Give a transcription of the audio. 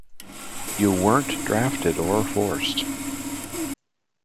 You weren't drafted or forced.